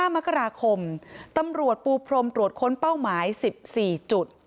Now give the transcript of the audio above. มกราคมตำรวจปูพรมตรวจค้นเป้าหมาย๑๔จุด